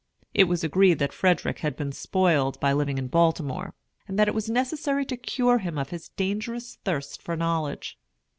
It was agreed that Frederick had been spoiled by living in Baltimore, and that it was necessary to cure him of his dangerous thirst for knowledge.